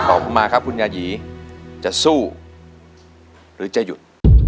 มาครับคุณยายีจะสู้หรือจะหยุด